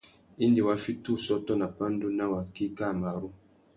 Indi wa fiti ussôtô nà pandú nà waki kā marru.